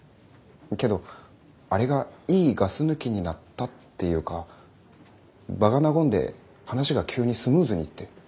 けどあれがいいガス抜きになったっていうか場が和んで話が急にスムーズにいって。